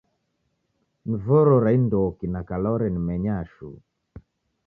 Ni voro ra indoki na kala orenimenya shuu?